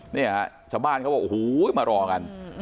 เนี่ยชาวบ้านเขาบอกโอ้โหมารอกัน